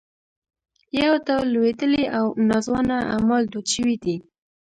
یو ډول لوېدلي او ناځوانه اعمال دود شوي دي.